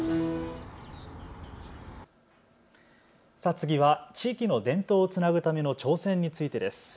次は地域の伝統をつなぐための挑戦についてです。